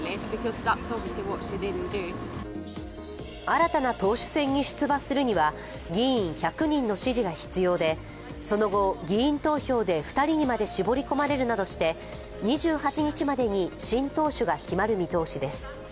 新たな党首選に出馬するには議員１００人の支持が必要でその後、議員投票で２人にまで絞り込まれるなどして、２８日までに新党首が決まる見通しです。